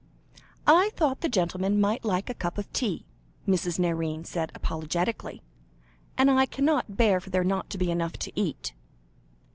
"I thought the gentleman might like a cup of tea," Mrs. Nairne said apologetically, "and I can't bear for there not to be enough to eat."